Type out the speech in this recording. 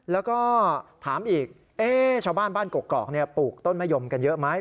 แล้วก็ถามอีกชาวบ้านบ้านกกอกปลูกต้นมะยมกันเยอะไหม